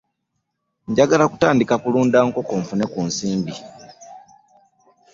Njagala kutandika kulunda nkoko nfune ku nsimbi.